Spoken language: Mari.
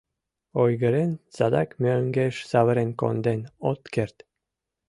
Ойгырен, садак мӧҥгеш савырен конден от керт.